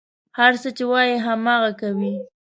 هر څه چې وايي، هماغه کوي.